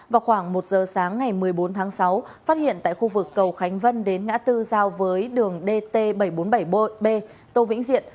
vào khoảng một giờ sáng ngày một mươi bốn tháng sáu phát hiện tại khu vực cầu khánh vân đến ngã tư giao với đường dt bảy trăm bốn mươi bảy b tô vĩnh diện